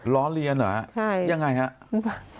ร้อนเลียนเหรอยังไงครับ